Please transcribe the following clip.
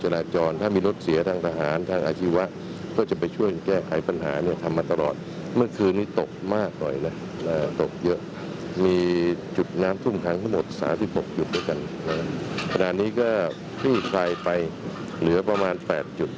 และพี่ชายไปเหลือประมาณ๘จุด